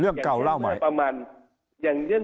เรื่องก่าวเร่าไหม